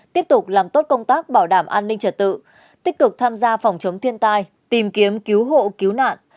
tiếp tục làm tốt công tác bảo đảm an ninh trật tự tích cực tham gia phòng chống thiên tai tìm kiếm cứu hộ cứu nạn